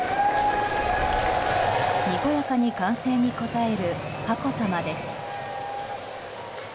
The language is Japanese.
にこやかに歓声に応える佳子さまです。